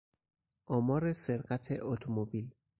آمار سرقت اتومبیل